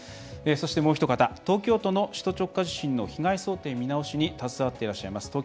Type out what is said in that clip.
そしてもうひと方東京都の首都直下地震被害想定見直しに携わっていらっしゃいます